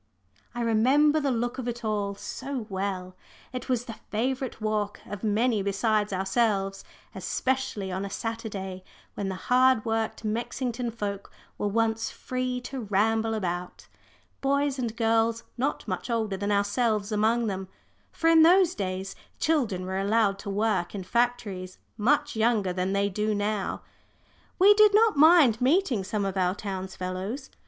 I remember the look of it all so well. It was the favourite walk of many besides ourselves, especially on a Saturday, when the hard worked Mexington folk were once free to ramble about boys and girls not much older than ourselves among them, for in those days children were allowed to work in factories much younger than they do now. We did not mind meeting some of our townsfellows.